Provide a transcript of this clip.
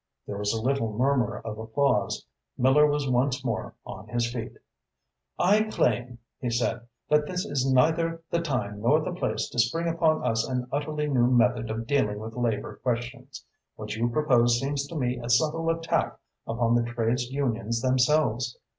There was a little murmur of applause. Miller was once more on his feet. "I claim," he said, "that this is neither the time nor the place to spring upon us an utterly new method of dealing with Labour questions. What you propose seems to me a subtle attack upon the trades unions themselves.